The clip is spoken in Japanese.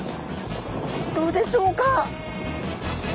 どうでしょうか。